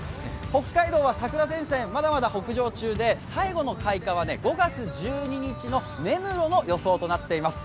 北海道は桜前線、まだまだ北上中で最後の開花は５月１２日の根室の予想となっています。